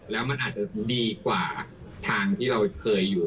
แล้วมันอาจจะดีกว่าทางที่เราเคยอยู่